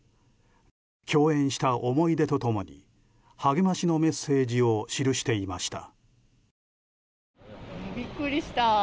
共演した思い出と共に励ましのメッセージを記していました。